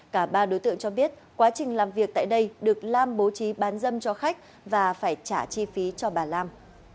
cả ba đối tượng cho biết quá trình làm việc tại đây được lam bố trí bán dâm cho khách và phải trả chi phí cho bà lam